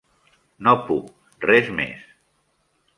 No puc, res més.